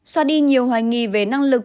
xoa đi nhiều hoài nghi về năng lực